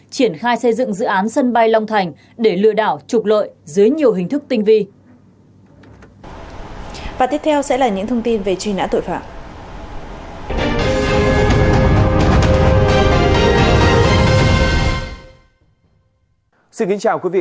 triển khai xây dựng dự án sân bay long thành để lừa đảo trục lợi dưới nhiều hình thức tinh vi